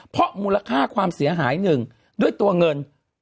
เพราะมูลค่าความเสียหายหนึ่งด้วยตัวเงิน